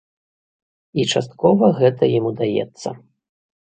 І часткова гэта ім удаецца.